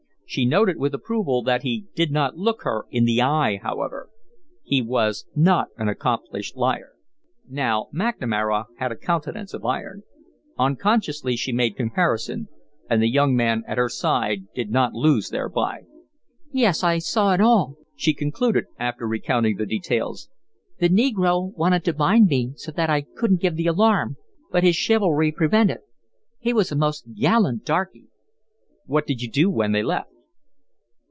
She noted with approval that he did not look her in the eye, however. He was not an accomplished liar. Now McNamara had a countenance of iron. Unconsciously she made comparison, and the young man at her side did not lose thereby. "Yes, I saw it all," she concluded, after recounting the details. "The negro wanted to bind me so that I couldn't give the alarm, but his chivalry prevented. He was a most gallant darky." "What did you do when they left?"